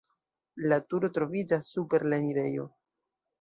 La turo troviĝas super la enirejo.